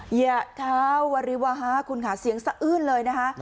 เหยียบเท้าวริวาฮาคุณค่ะเสียงสะอื้นเลยนะคะ